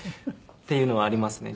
っていうのはありますね。